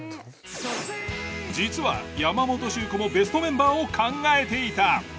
実は山本萩子もベストメンバーを考えていた。